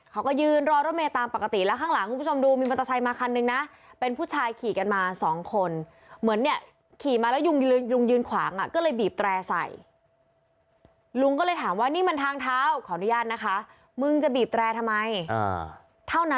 เขาก็ยืนรอรถเมย์ตามปกติแล้วข้างหลังคุณผู้ชมดูมีมอเตอร์ไซต์มาคันนึงนะ